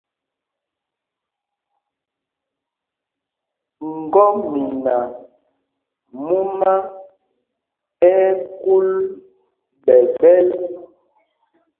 Ŋgɔmina mumá ɛ́ ɛ́ kúl ɓɛ̌ ɗɛl.